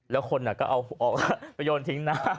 แล้วคนก็เอาออกไปโยนทิ้งนะ